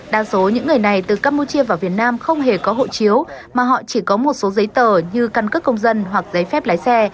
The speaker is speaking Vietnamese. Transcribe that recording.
đa số những người này từ campuchia vào việt nam không hề có hộ chiếu mà họ chỉ có một số giấy tờ như căn cước công dân hoặc giấy phép lái xe